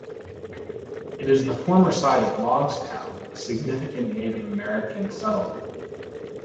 It is the former site of Logstown, a significant Native American settlement.